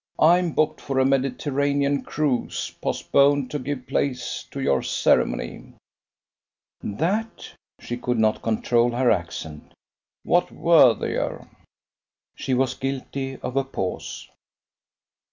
I'm booked for a Mediterranean cruise postponed to give place to your ceremony." "That?" she could not control her accent. "What worthier?" She was guilty of a pause.